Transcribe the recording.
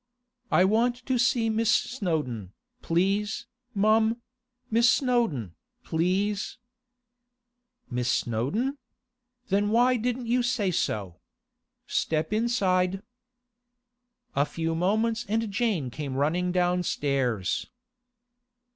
'I want to see Miss Snowdon, please, mum—Miss Snowdon, please—' 'Miss Snowdon? Then why didn't you say so? Step inside.' A few moments and Jane came running downstairs.